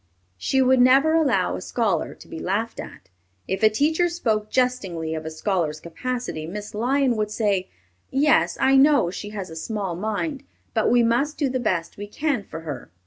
She would never allow a scholar to be laughed at. If a teacher spoke jestingly of a scholar's capacity, Miss Lyon would say, "Yes, I know she has a small mind, but we must do the best we can for her."